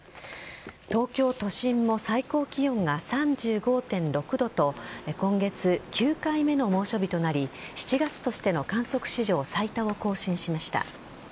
東京都心も最高気温が３５．６度と今月９回目の猛暑日となり７月としての観測史上最多を更新しました。